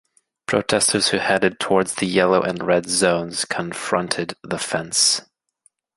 Protestors who headed towards the yellow and red zones confronted the fence.